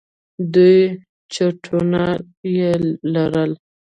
دوه چتونه يې لرل.